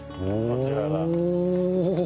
こちらが。